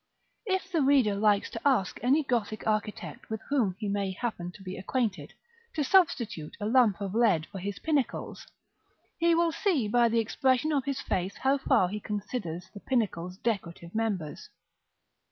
If the reader likes to ask any Gothic architect with whom he may happen to be acquainted, to substitute a lump of lead for his pinnacles, he will see by the expression of his face how far he considers the pinnacles decorative members.